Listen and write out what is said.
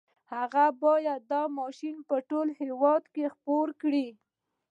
هغه بايد دا ماشين په ټول هېواد کې خپور کړي.